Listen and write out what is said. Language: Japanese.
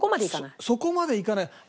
そこまでいかない？